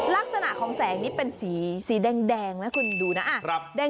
ลักษณะของแสงนี่เป็นสีแดงนะคุณดูนะ